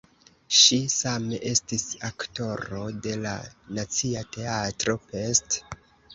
Ŝi same estis aktoro de la Nacia Teatro (Pest).